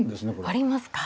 ありますか。